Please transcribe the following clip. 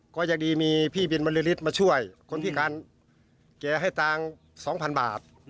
ก็ยังดีมีพี่บินบริษฐ์มาช่วยคนพิการแกให้ตังค์๒๐๐๐บาท